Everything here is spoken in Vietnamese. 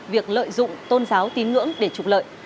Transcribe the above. việc lợi dụng tôn giáo tín ngưỡng để trục lợi